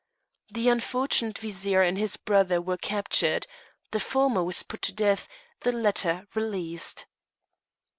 The unfortunate Vizier and his brother were captured; the former was put to death, but the latter released.